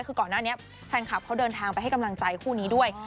คือก่อนหน้านี้แฟนคลับเขาเดินทางไปให้กำลังใจคู่นี้ด้วย